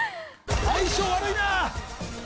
相性悪いな。